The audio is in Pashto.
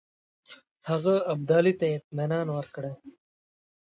هغه ابدالي ته اطمینان ورکړی.